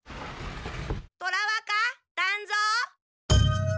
虎若団蔵？